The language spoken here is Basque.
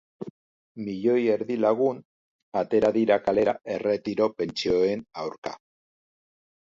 Milioi erdi lagun atera dira kalera erretiro-pentsioen aurka.